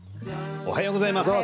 おはようございます。